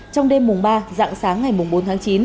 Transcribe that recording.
trong đêm mùng ba dạng sáng ngày mùng bốn tháng chín